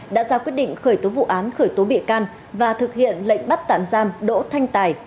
đã ra quyết định khởi tố vụ án khởi tố bị can và thực hiện lệnh bắt tạm giam đỗ thanh tài